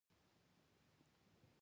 لکه لوړ ښاخونه چې هماغه باد یې زنګوي